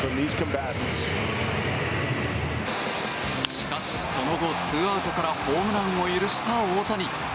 しかし、その後ツーアウトからホームランを許した大谷。